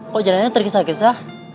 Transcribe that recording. kok jalannya tergesa gesa